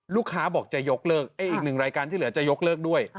ลูกค้าบอกจะยกเลิกอีกหนึ่งรายการที่เหลือจะยกเลิกด้วย